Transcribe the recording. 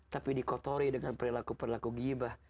tapi dikotori dengan perilaku perilaku gibah